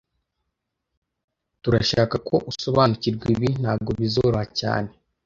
Turashaka ko usobanukirwa ibi ntago bizoroha cyane